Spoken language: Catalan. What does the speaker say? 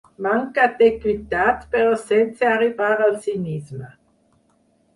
Mancat d'equitat, però sense arribar al cinisme.